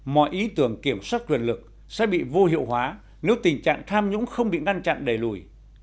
mọi ý tưởng kiểm soát quyền lực sẽ bị vô hiệu hóa nếu tình trạng tham nhũng không bị ngăn chặn đẩy lùi